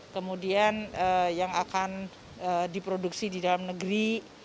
kemudian yang akan diproduksi di dalam negeri